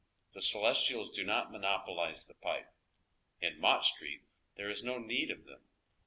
The celestials do not monopolize the pipe. In Mott Street there ia no need of them.